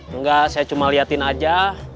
enggak saya cuma liatin aja